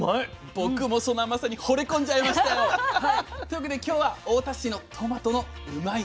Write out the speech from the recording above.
僕もその甘さにほれ込んじゃいましたよ。というわけで今日は太田市のトマトのうまいッ！